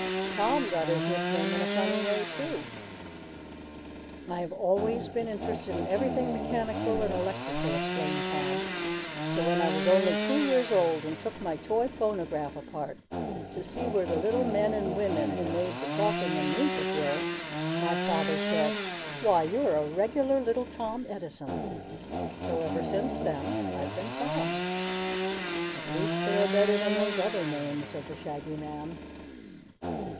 Tom got his nickname in a funny way, too." "I have always been interested in everything mechanical and electrical," explained Tom, "so when I was only two years old and took my toy phonograph apart to see where the little men and women who made the talking and music were, my Father said: 'Why, you're a regular little Tom Edison.' And so ever since then I have been Tom." "At least they are better than those other names," said the Shaggy Man.